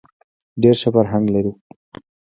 ډېر ښه فرهنګ لري.